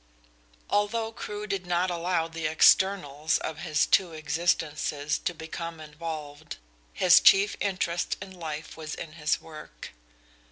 Although Crewe did not allow the externals of his two existences to become involved, his chief interest in life was in his work.